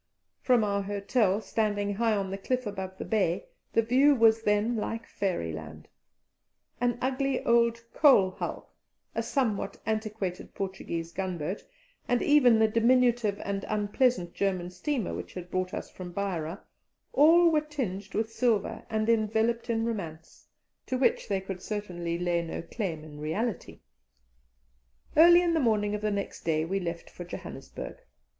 From our hotel, standing high on the cliff above the bay, the view was then like fairyland: an ugly old coal hulk, a somewhat antiquated Portuguese gunboat, and even the diminutive and unpleasant German steamer which had brought us from Beira, all were tinged with silver and enveloped in romance, to which they could certainly lay no claim in reality. Early in the morning of the next day we left for Johannesburg.